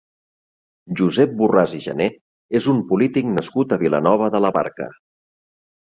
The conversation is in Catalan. Josep Borràs i Gené és un polític nascut a Vilanova de la Barca.